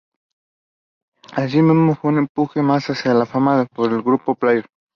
Así mismo fue un empuje más hacia la fama para el grupo Player.